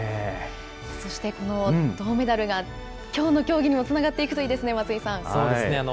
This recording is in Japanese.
そしてこの銅メダルがきょうの競技にもつながっていくといいそうですね。